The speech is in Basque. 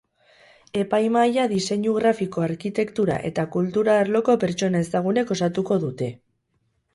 Epaimahaia diseinu grafiko, arkitektura eta kultura arloko pertsona ezagunek osatuko dute.